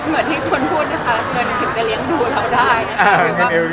พอดีที่เห็นคือวิวขึ้นไปที่เวียดนัง